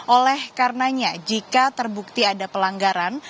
oleh karenanya jika terbukti ada pelanggaran